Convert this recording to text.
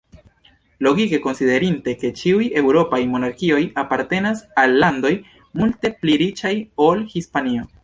Logike, konsiderinte ke ĉiuj eŭropaj monarkioj apartenas al landoj multe pli riĉaj ol Hispanio.